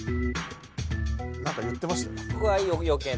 何か言ってましたよ。